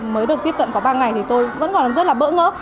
mới được tiếp cận có ba ngày thì tôi vẫn còn rất là bỡ ngỡ